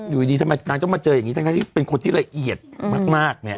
อยู่ดีทำไมนางต้องมาเจออย่างนี้ทั้งที่เป็นคนที่ละเอียดมากเนี่ย